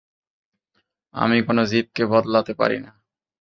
আমি কোনো জীবকে বদলাতে পারি না।